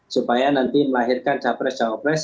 supaya nanti melahirkan capres capres